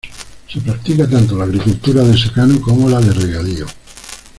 Se practica tanto la agricultura de secano como la de regadío.